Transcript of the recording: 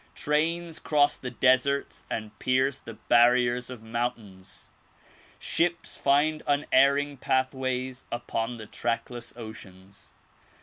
Trains cross the deserts and pierce the barriers of mountains ; ships find unerring pathways upon the trackless oceans.